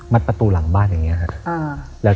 ประตูหลังบ้านอย่างนี้ครับ